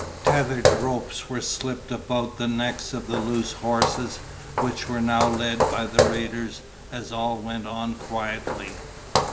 Tether ropes were slipped about the necks of the loose horses, which were now led by the raiders as all went on quietly.